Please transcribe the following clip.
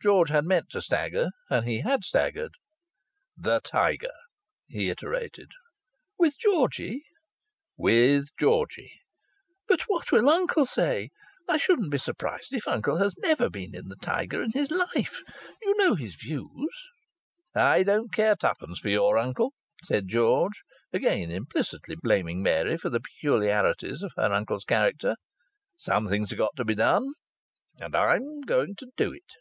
George had meant to stagger, and he had staggered. "The Tiger," he iterated. "With Georgie?" "With Georgie." "But what will uncle say? I shouldn't be surprised if uncle has never been in the Tiger in his life. You know his views " "I don't care twopence for your uncle," said George, again implicitly blaming Mary for the peculiarities of her uncle's character. "Something's got to be done, and I'm going to do it."